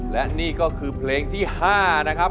และนี่ก็คือเพลงที่๕นะครับ